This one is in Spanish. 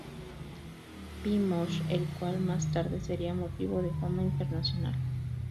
P. Mosh", el cual más tarde sería motivo de fama internacional.